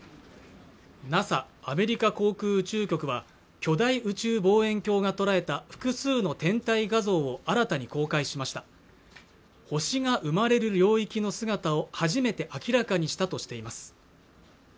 ＮＡＳＡ＝アメリカ航空宇宙局は巨大宇宙望遠鏡が捉えた複数の天体画像を新たに公開しました星が生まれる領域の姿を初めて明らかにしたとしています